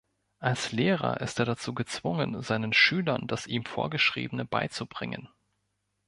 Als Lehrer ist er dazu gezwungen, seinen Schülern das ihm Vorgeschriebene beizubringen.